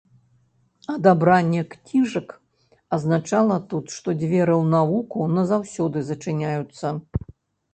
Адабранне кніжак азначала тут, што дзверы ў навуку назаўсёды зачыняюцца.